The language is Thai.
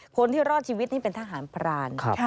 คนที่รอดชีวิตนี่เป็นทหารพราน